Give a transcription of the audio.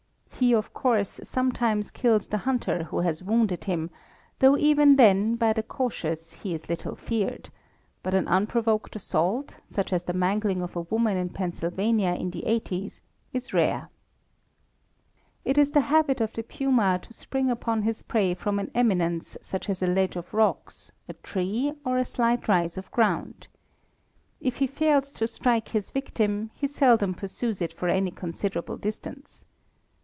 He, of course, sometimes kills the hunter who has wounded him, though even then, by the cautious, he is little feared; but an unprovoked assault, such as the mangling of a woman in Pennsylvania in the eighties, is rare. It is the habit of the puma to spring upon his prey from an eminence such as a ledge of rocks, a tree, or a slight rise of ground. If he fails to strike his victim, he seldom pursues it for any considerable distance.